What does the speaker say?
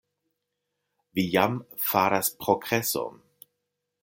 Vi jam faras progreson.